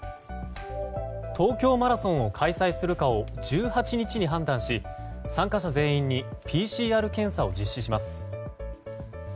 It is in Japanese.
東京マラソンを開催するかを１８日に判断し参加者全員にＰＣＲ検査を実施します。